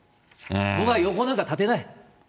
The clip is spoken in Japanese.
僕は横なんか立てない。